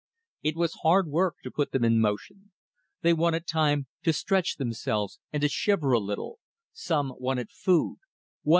It was hard work to put them in motion. They wanted time to stretch themselves and to shiver a little. Some wanted food.